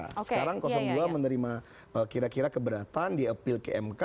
sekarang dua menerima kira kira keberatan di appeal ke mk